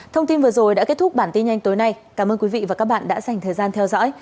thông tin vừa rồi đã kết thúc bản tin nhanh tối nay cảm ơn quý vị và các bạn đã dành thời gian theo dõi